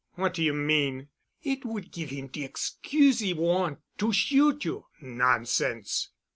"What do you mean?" "It would give him de excuse he want' to shoot you——" "Nonsense."